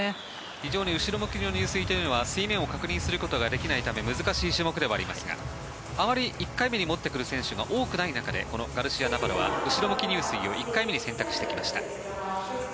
非常に後ろ向きの入水は水面を確認することができないため難しい種目ではありますがあまり１回目に持ってくる選手が多くない中でガルシア・ナバロは後ろ向き入水を１回目に選択してきました。